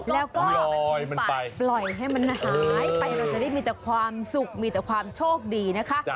แล้วก็ปล่อยให้มันหายไปเราจะได้มีแต่ความสุขมีแต่ความโชคดีนะคะ